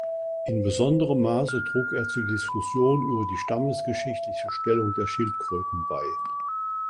In besonderen Maße trug er zur Diskussion über die stammesgeschichtliche Stellung der Schildkröten bei.